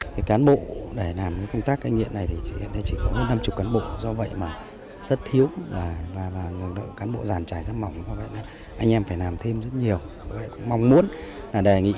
các cán bộ để làm công tác cây nghiện này thì hiện nay chỉ có hơn năm mươi cán bộ do vậy mà rất thiếu và cơ sở đảm bảo hoàn thành tốt nhiệm vụ được sao